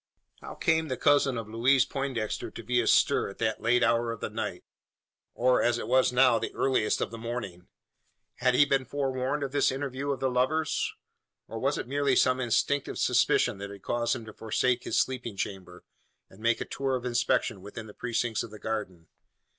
How came the cousin of Louise Poindexter to be astir at that late hour of the night, or, as it was now, the earliest of the morning? Had he been forewarned of this interview of the lovers; or was it merely some instinctive suspicion that had caused him to forsake his sleeping chamber, and make a tour of inspection within the precincts of the garden?